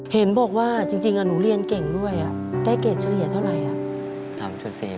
เห็นบอกว่าจริงหนูเรียนเก่งด้วยได้เกรดเฉลี่ยเท่าไหร่